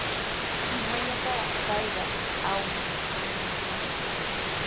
¿Imallataraqa payqa awniykishunkiman?